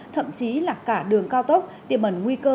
thậm chí là cả đường cao tốc